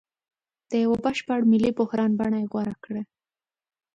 د یوه بشپړ ملي بحران بڼه یې غوره کړې.